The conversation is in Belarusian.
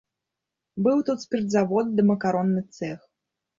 Быў тут спіртзавод ды макаронны цэх.